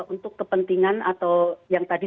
untuk kepentingan atau yang tadi